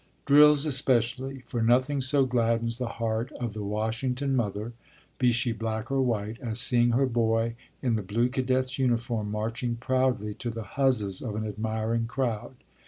Drills especially, for nothing so gladdens the heart of the Washington mother, be she black or white, as seeing her boy in the blue cadet's uniform, marching proudly to the huzzas of an admiring crowd.